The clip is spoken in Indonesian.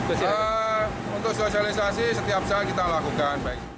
ya untuk sosialisasi setiap saat kita lakukan